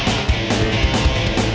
apa kabarnya pak on